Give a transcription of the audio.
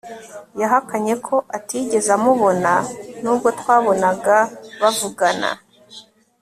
yahakanye ko atigeze amubona nubwo twabonaga bavugana